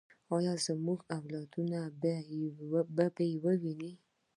آیا زموږ اولادونه به یې وویني؟